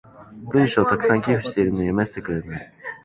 文章を沢山寄付してるのに読ませてくれない。